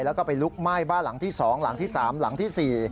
แล้วก็ไปลุกไหม้บ้านหลังที่๒หลังที่๓หลังที่๔